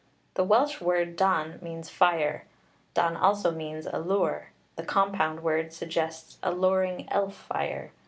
The Welsh word dan means fire; dan also means a lure; the compound word suggests a luring elf fire.